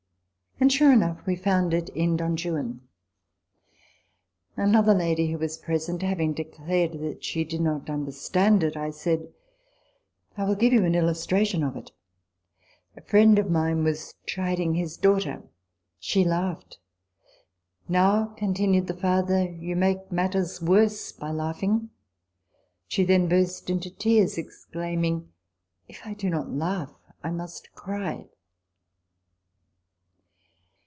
And sure enough we found it in " Don Juan." * Another lady, who was present, having declared that she did not understand it, I said, " I will give you an illustration of it. A friend of mine was chiding his daughter. She laughed. ' Now,' continued the father, ' you make matters worse by laughing.' She then burst into tears, exclaiming, ' If I do not laugh, I must cry.'